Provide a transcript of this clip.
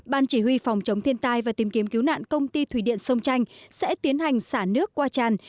ban chỉ huy phòng chống thiên tai và tìm kiếm cứu nạn công ty thủy điện sông tranh sẽ tiến hành xả nước qua tràn